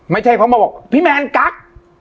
ไม่ใช่เขามาบอกพี่แมนกั๊ก